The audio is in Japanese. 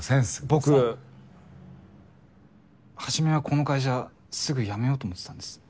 僕はじめはこの会社すぐ辞めようと思ってたんです。